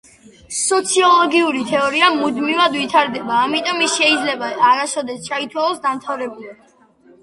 სოციოლოგიური თეორია მუდმივად ვითარდება, ამიტომ ის შეიძლება არასდროს ჩაითვალოს დამთავრებულად.